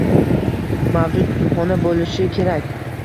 mavjud kutubxona bo‘lishi kerak.